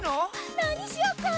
なにしようか？